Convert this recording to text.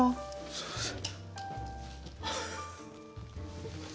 すみません。